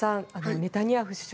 ネタニヤフ首相